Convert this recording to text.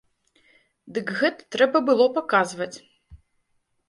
Дык гэта трэба было паказваць.